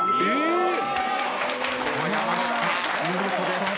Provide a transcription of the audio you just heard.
見事です。